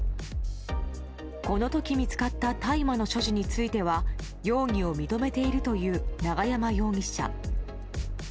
この時見つかった大麻の所持については容疑を認めているという永山容疑者。